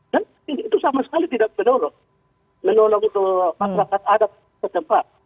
dan itu sama sekali tidak menolong masyarakat adat ke tempat